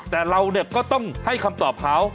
แต่เราก็ต้องให้คำตอบเขา